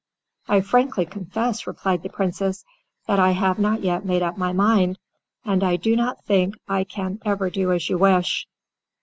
"I frankly confess," replied the Princess, "that I have not yet made up my mind, and I do not think I can ever do as you wish."